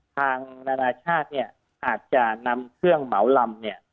นานาชาติเนี่ยอาจจะนำเครื่องเหมาลำเนี่ย